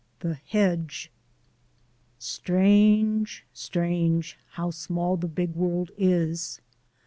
THE HEDGE Strange, strange, how small the big world is!